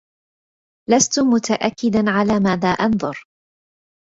لست متأكدا على ماذا أنظر.